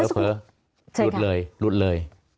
เผลอหลุดเลย